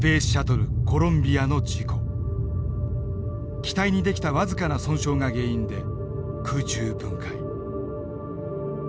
機体に出来た僅かな損傷が原因で空中分解。